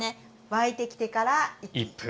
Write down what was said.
沸いてきてから１分。